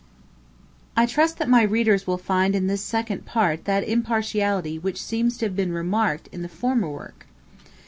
I trust that my readers will find in this Second Part that impartiality which seems to have been remarked in the former work.